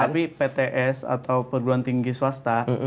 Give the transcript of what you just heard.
tapi pts atau perguruan tinggi swasta